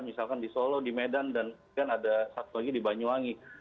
misalkan di solo di medan dan ada satu lagi di banyuwangi